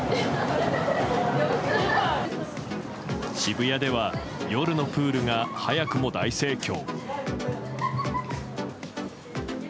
渋谷では夜のプールが早くも大盛況。